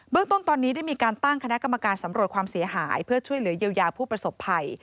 ต้นตอนนี้ได้มีการตั้งคณะกรรมการสำรวจความเสียหายเพื่อช่วยเหลือเยียวยาผู้ประสบภัย